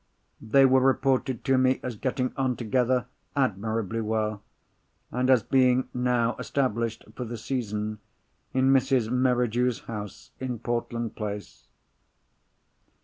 They were reported to me as getting on together admirably well, and as being now established, for the season, in Mrs. Merridew's house in Portland Place.